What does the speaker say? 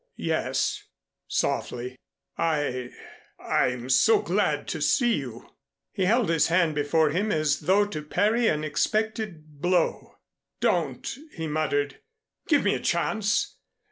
"Yes," softly. "I I'm so glad to see you." He held his hand before him as though to parry an expected blow. "Don't," he muttered. "Give me a chance.